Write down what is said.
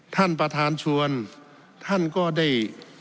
ท่านประธานชวนท่านก็ได้